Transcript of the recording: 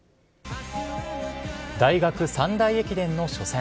大学３大駅伝の初戦。